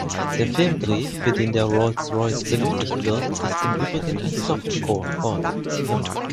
Der Filmdreh, für den der Rolls-Royce benötigt wird, ist im Übrigen ein Softcore-Porno.